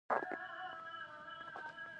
پرون سارا د ورور واده ته ځان جوړ کړ.